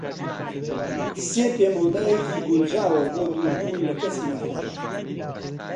سێ پێ مەودایەکی گونجاوە بۆ دووربوون لە کەسی نەخۆش.